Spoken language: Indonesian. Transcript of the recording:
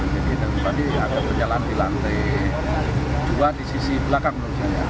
jadi dari tadi ada penyalaan di lantai dua di sisi belakang menurut saya